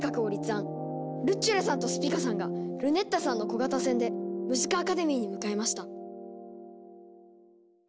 ルッチョラさんとスピカさんがルネッタさんの小型船でムジカ・アカデミーに向かいました